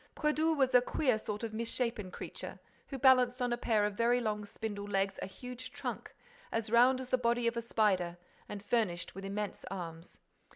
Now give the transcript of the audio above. Brédoux was a queer sort of misshapen creature, who balanced on a pair of very long spindle legs a huge trunk, as round as the body of a spider and furnished with immense arms.